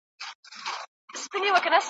له پاپیو نه مي شرنګ د ګونګرو واخیست `